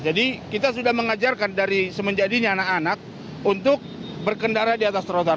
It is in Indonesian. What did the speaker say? jadi kita sudah mengajarkan dari semenjadinya anak anak untuk berkendara di atas trotoar